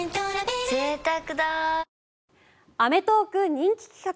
人気企画。